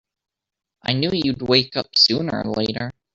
I knew you'd wake up sooner or later!